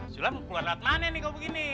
julan mau keluar lewat mana nih kalau begini